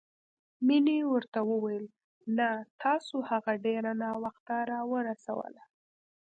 مينې ورته وويل نه، تاسو هغه ډېره ناوخته راورسوله.